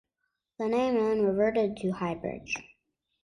The name then reverted to High Bridge.